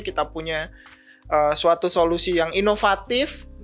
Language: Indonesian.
kita punya suatu solusi yang inovatif